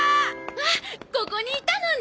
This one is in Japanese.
あっここにいたのね。